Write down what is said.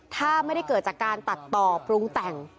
ถ้าไม่ได้เกิดจากการตัดต่อปรุงแต่ง